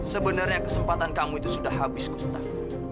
sebenarnya kesempatan kamu itu sudah habis ustadz